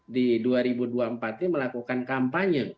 di dua ribu dua puluh empat ini melakukan kampanye